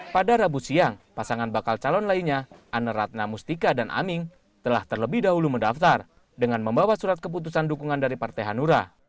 pada rabu siang pasangan bakal calon lainnya ane ratna mustika dan aming telah terlebih dahulu mendaftar dengan membawa surat keputusan dukungan dari partai hanura